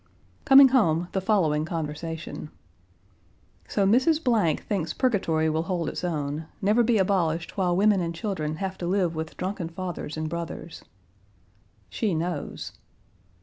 Coming home the following conversation: "So Mrs. Blank thinks purgatory will hold its own never be abolished while women and children have to live with drunken fathers and brothers." "She knows."